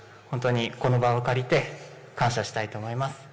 本当にこの場を借りて感謝したいと思います。